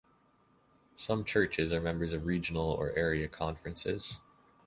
Some churches are members of regional or area conferences.